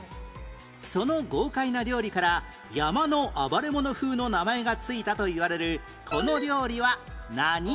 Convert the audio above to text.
その豪快な料理から山の暴れ者風の名前が付いたといわれるこの料理は何焼？